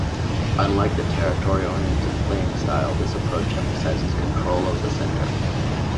Unlike the territory-oriented playing style, this approach emphasizes control of the center.